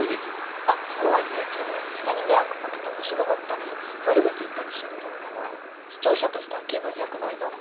そうは言うけど人に迷惑をかけて面白がったり悪口言ったりする動画は視聴者としては気分よくないな。